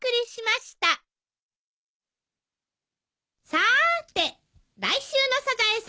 さーて来週の『サザエさん』は？